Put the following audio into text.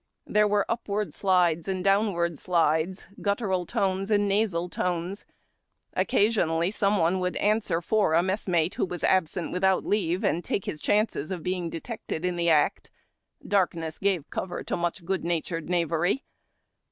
There were upward slides and downward slides, guttural tones and nasal tones. Occasionally, some one would answer for a messmate, who was absent ^vithout leave, and take his chances of being detected in the act. Darkness gave cover to much good natured knavery.